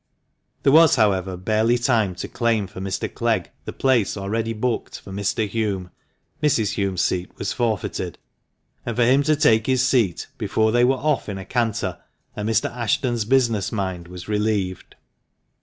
There was, however, barely time to claim for Mr. Clegg the place already booked for " Mr. Hulme" (Mrs. Hulme's seat was forfeited), and for him to take 322 THE MANCHESTER MAN. his seat, before they were off in a canter, and Mr. Ashton's business mind was relieved.